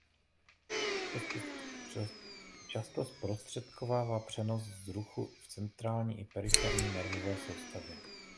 Často zprostředkovává přenos vzruchu v centrální i periferní nervové soustavě.